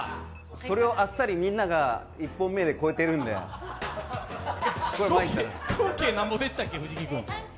それをあっさりみんなが１本目で超えてるんで、前回何点でしたっけ。